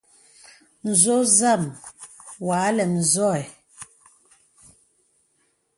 N̄zɔ̄ zam wɔ à lɛm zɔ̄ ɛ.